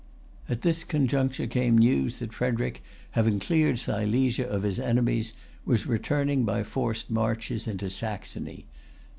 At this conjuncture came news that Frederic, having cleared Silesia of his enemies, was returning by forced marches into Saxony.